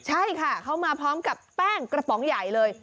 ใช่ค่ะเขามาพร้อมกับแป้งกระป๋องใหญ่เลย